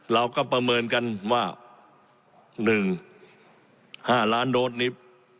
เราก็ประเมินกันว่าหนึ่งห้าล้านโดรสนี้